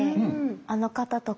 あの方とか。